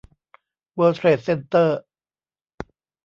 เวิลด์เทรดเซ็นเตอร์